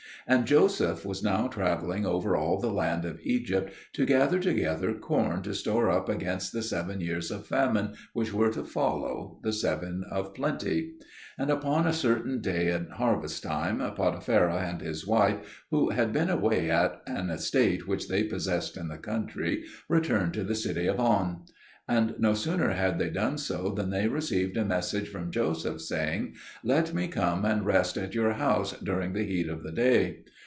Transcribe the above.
And Joseph was now travelling over all the land of Egypt to gather together corn to store up against the seven years of famine which were to follow the seven of plenty. And upon a certain day in harvest time, Potipherah and his wife, who had been away at an estate which they possessed in the country, returned to the city of On; and no sooner had they done so than they received a message from Joseph, saying, "Let me come and rest at your house during the heat of the day."